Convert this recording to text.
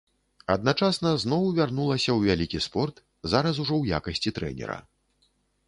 Адначасна зноў вярнулася ў вялікі спорт, зараз ужо ў якасці трэнера.